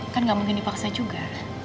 kan nggak mungkin dipaksa juga